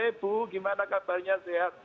ibu gimana kabarnya sehat